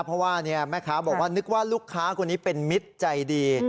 เพราะว่าแม่ค้าบอกว่านึกว่าลูกค้าคนนี้เป็นมิตรใจดี